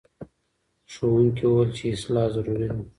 ښوونکي وویل چې اصلاح ضروري ده.